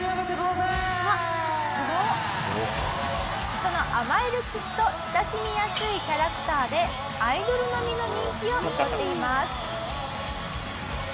その甘いルックスと親しみやすいキャラクターでアイドル並みの人気を誇っています。